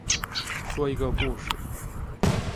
说一个故事